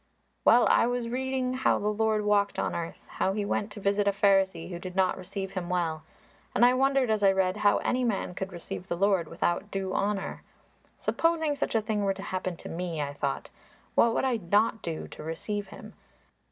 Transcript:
"Well, I was reading how the Lord walked on earth, how He went to visit a Pharisee who did not receive Him well. And I wondered, as I read, how any man could receive the Lord without due honour. 'Supposing such a thing were to happen to me,' I thought, 'what would I not do to receive Him?